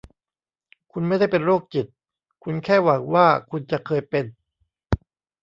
คุณไม่ได้เป็นโรคจิต คุณแค่หวังว่าคุณจะเคยเป็น